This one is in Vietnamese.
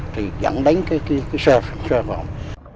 thì dẫn đánh cái sơ phòng